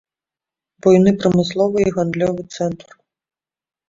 Буйны прамысловы і гандлёвы цэнтр.